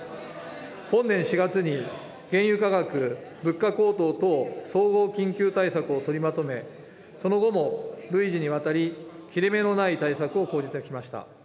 本年４月に原油価格、物価高騰等総合緊急対策を取りまとめ、その後も累次にわたり、切れ目のない対策を講じてきました。